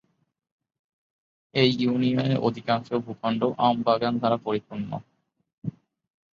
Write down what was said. এই ইউনিয়নের অধিকাংশ ভূখণ্ড আম বাগান দ্বারা পরিপূর্ণ।